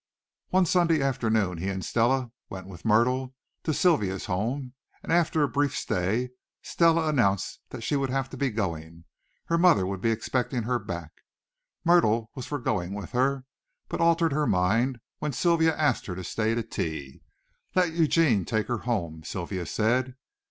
One Sunday afternoon he and Stella went with Myrtle to Sylvia's home, and after a brief stay Stella announced that she would have to be going; her mother would be expecting her back. Myrtle was for going with her, but altered her mind when Sylvia asked her to stay to tea. "Let Eugene take her home," Sylvia said.